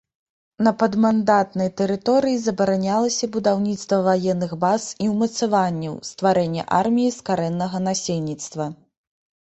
На падмандатнай тэрыторыі забаранялася будаўніцтва ваенных баз і ўмацаванняў, стварэнне арміі з карэннага насельніцтва.